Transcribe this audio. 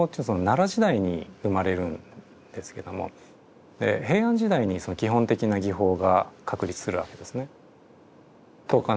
奈良時代に生まれるんですけども平安時代に基本的な技法が確立するわけですね。